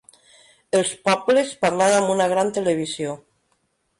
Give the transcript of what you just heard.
els pobles parlant amb una gran televisió